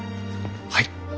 はい。